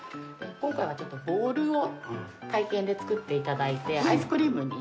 今回はちょっとボールを体験で作っていただいてアイスクリームに。